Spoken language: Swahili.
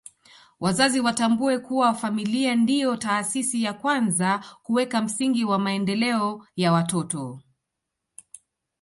Wazazi watambue kuwa familia ndio taasisi ya kwanza kuweka msingi wa maendeleo ya watoto